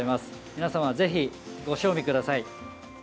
皆様、ぜひご賞味ください。